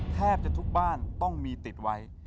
แทบจะทุกบ้านต้องมีติดไว้